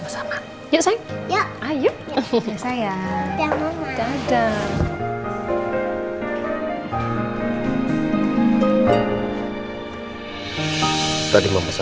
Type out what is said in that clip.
aku gak mau ngebahas ya soal mbak nita